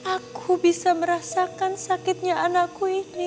aku bisa merasakan sakitnya anakku ini